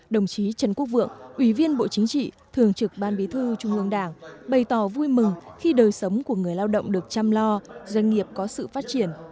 đồng chí trần quốc vượng ủy viên bộ chính trị thường trực ban bí thư trung ương đảng bày tỏ vui mừng khi đời sống của người lao động được chăm lo doanh nghiệp có sự phát triển